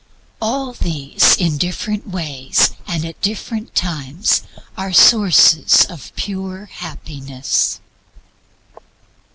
All these, in different ways and at different times, are SOURCES OF PURE HAPPINESS.